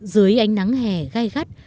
dưới ánh nắng hè gai gắt